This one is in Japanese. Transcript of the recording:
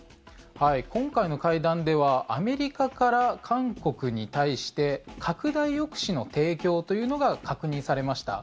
今回の会談ではアメリカから韓国に対して拡大抑止の提供というのが確認されました。